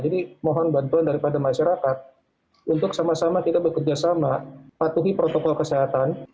jadi mohon bantuan daripada masyarakat untuk sama sama kita bekerja sama patuhi protokol kesehatan